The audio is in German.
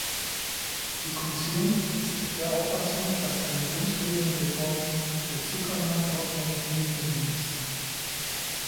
Die Kommission ist der Auffassung, dass eine grundlegende Reform der Zuckermarktordnung notwendig ist.